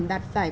sẽ đoạt giải